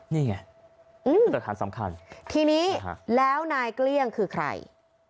นี่ไงคือหลักฐานสำคัญทีนี้แล้วนายเกลี้ยงคือใคร